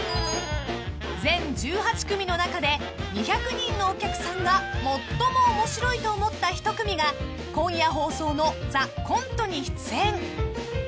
［全１８組の中で２００人のお客さんが最も面白いと思った１組が今夜放送の『ＴＨＥＣＯＮＴＥ』に出演］